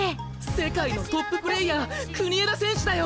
世界のトッププレーヤー国枝選手だよ！